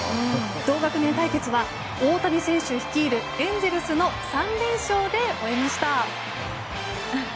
同学年対決は大谷選手率いるエンゼルスの３連勝で終えました。